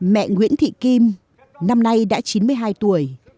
mẹ nguyễn thị kim năm nay đã chín mươi hai tuổi